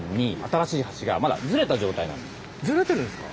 ズレてるんですか？